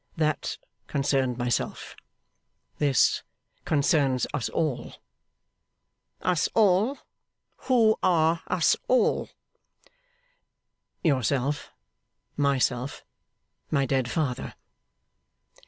That concerned myself; this concerns us all.' 'Us all! Who are us all?' 'Yourself, myself, my dead father.